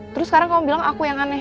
terus sekarang kamu bilang aku yang aneh